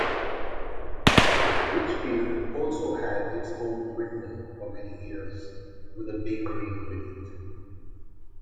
Whitfield also had its own windmill for many years, with a bakery beneath.